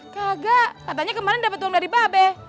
kagak katanya kemarin dapet uang dari babe